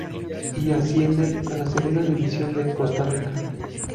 Y ascienden a la Segunda División de Costa Rica.